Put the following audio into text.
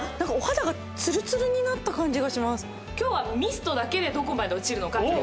今日はミストだけでどこまで落ちるのかと。